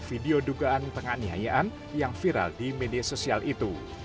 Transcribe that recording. video dugaan penganiayaan yang viral di media sosial itu